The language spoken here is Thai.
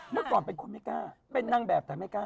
เมื่อก่อนเป็นคนไม่กล้าเป็นนางแบบแต่ไม่กล้า